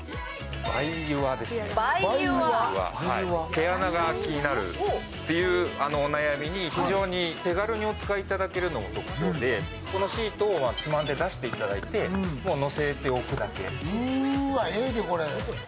毛穴が気になるというお悩みに非常に手軽にお使いいただけるのが特徴で、このシートをつまんで出していただいてのせておくだけ。